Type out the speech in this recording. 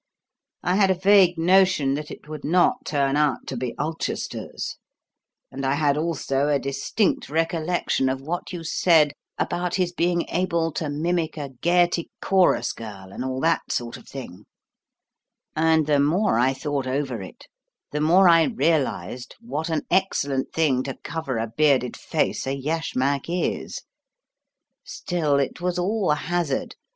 I had a vague notion that it would not turn out to be Ulchester's, and I had also a distinct recollection of what you said about his being able to mimic a Gaiety chorus girl and all that sort of thing, and the more I thought over it, the more I realized what an excellent thing to cover a bearded face a yashmak is. Still, it was all hazard.